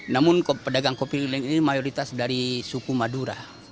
namun pedagang kopi keliling ini mayoritas dari suku madura